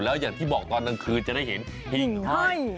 แล้วอย่างที่บอกตอนตอนคืนจะได้เห็นหิ่งห้อย